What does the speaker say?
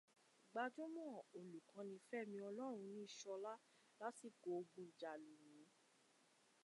Gbajúmọ̀ olukọ ni Fẹmi Ọlọ́runníṣọla lásìkò ogun jálumi